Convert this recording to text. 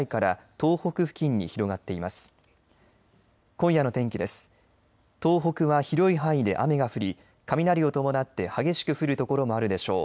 東北は広い範囲で雨が降り雷を伴って激しく降る所もあるでしょう。